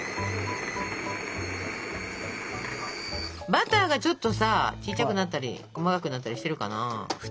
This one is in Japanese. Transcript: バターがちょっとさ小ちゃくなったり細かくなったりしてるかな？